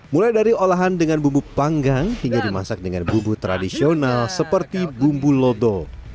mulai dari olahan dengan bubuk panggang hingga dimasak dengan bumbu tradisional seperti bumbu lodo